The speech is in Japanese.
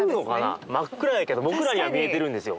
真っ暗やけど僕らには見えてるんですよ。